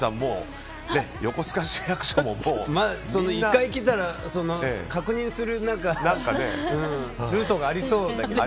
１回来たら確認するルートがありそうだけど。